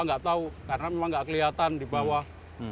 tidak tahu karena memang tidak kelihatan di bawah